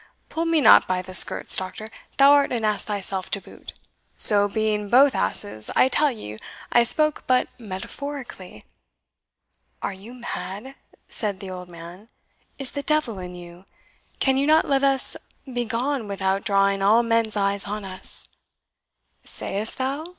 Pull me not by the skirts, doctor, thou art an ass thyself to boot so, being both asses, I tell ye I spoke but metaphorically." "Are you mad?" said the old man; "is the devil in you? Can you not let us begone without drawing all men's eyes on us?" "Sayest thou?"